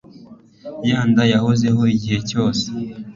yanda yahozeho igihe cyose